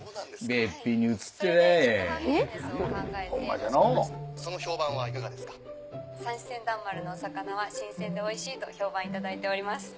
さんし船団丸のお魚は新鮮でおいしいと評判頂いております。